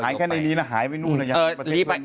หายแค่ในนี้นะหายไม่รู้นะยังไงประเทศหรือเปล่า